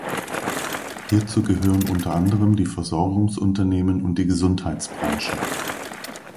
Hierzu gehören unter anderem die Versorgungsunternehmen und die Gesundheitsbranche.